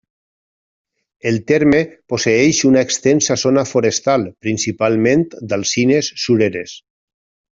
El terme posseeix una extensa zona forestal, principalment d'alzines sureres.